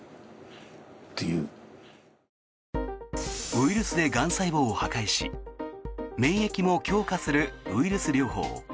ウイルスでがん細胞を破壊し免疫も強化するウイルス療法。